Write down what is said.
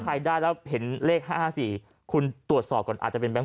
ใครได้แล้วเห็นเลข๕๔คุณตรวจสอบก่อนอาจจะเป็นแบงค